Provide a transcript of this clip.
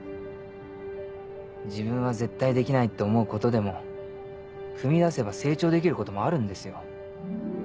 自分は絶対できないって思うことでも踏み出せば成長できることもあるんですよ。